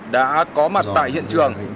đã có mặt tại hiện trường